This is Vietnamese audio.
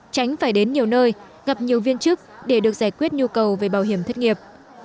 tránh phải đến nhiều nơi gặp nhiều viên chức để được giải quyết nhu cầu về bảo hiểm thất nghiệp